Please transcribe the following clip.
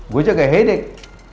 gue juga kayak headache